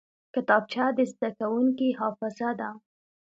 کتابچه د زده کوونکي حافظه ده